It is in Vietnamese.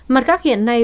mặt khác hiện nay